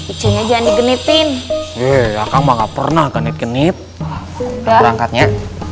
iconya jangan digenitin ya kamu nggak pernah genit genit perangkatnya